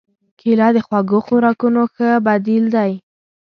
کېله د خوږو خوراکونو ښه بدیل دی.